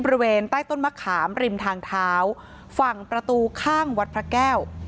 บริเวณใต้ต้นมะขามริมทางเท้าฝั่งประตูข้างวัดพระแก้ว